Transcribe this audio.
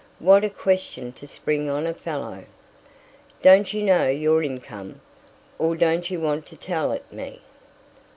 "What a question to spring on a fellow!" "Don't you know your income? Or don't you want to tell it me?"